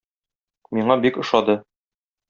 Миңа бик ошады.